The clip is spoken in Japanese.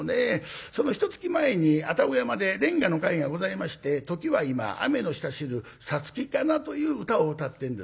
そのひとつき前に愛宕山で連歌の会がございまして「ときは今あめの下知る五月哉」という歌を歌ってんですね。